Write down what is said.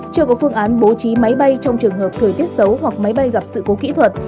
chưa có phương án bố trí máy bay trong trường hợp thời tiết xấu hoặc máy bay gặp sự cố kỹ thuật